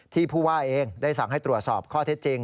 ผู้ว่าเองได้สั่งให้ตรวจสอบข้อเท็จจริง